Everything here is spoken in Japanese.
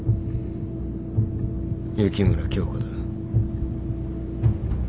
雪村京花だ。